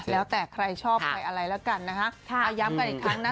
แล้วแต่ใครชอบไปอะไรแล้วกันนะฮะใช่เอายับกันอีกครั้งน่ะ